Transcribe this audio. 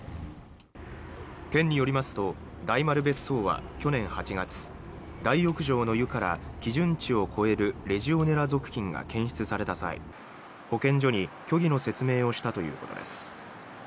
県によりますと大丸別荘は去年８月大浴場の湯から基準値を超えるレジオネラ属菌が検出された際保健所に虚偽の説明をしたということです。